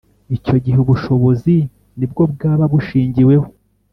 icyo gihe ubushobozi ni bwo bwaba bushingiweho.